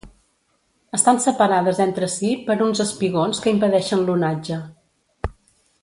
Estan separades entre si per uns espigons que impedeixen l'onatge.